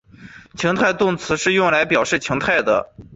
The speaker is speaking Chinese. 情态动词是用来表示情态的。